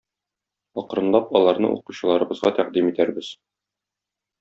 Акрынлап аларны укучыларыбызга тәкъдим итәрбез.